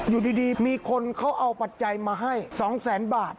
อยู่ดีมีคนเขาเอาปัจจัยมาให้๒แสนบาท